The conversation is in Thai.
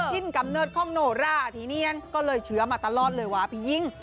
ถิ่นกำเนิดของโนราที่เนียนก็เลยเชื้อมาตลอดเลยว่าพี่ยิ่ง